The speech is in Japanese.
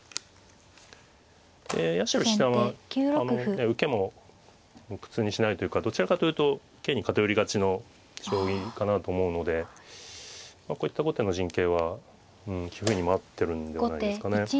八代七段は受けも苦痛にしないというかどちらかというと受けに偏りがちの将棋かなと思うのでこういった後手の陣形は棋風にも合ってるんではないですかね。